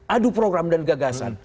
aduh program dan gagasan